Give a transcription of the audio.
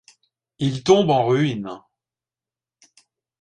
Il tombe en ruine.